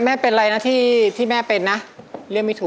ไม่เป็นไรนะที่แม่เป็นนะเรียกไม่ถูก